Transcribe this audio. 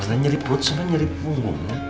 kebetulan nyirip perut sempat nyirip punggung